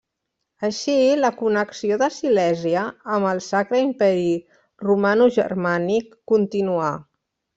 Així, la connexió de Silèsia amb el Sacre Imperi Romanogermànic continuà.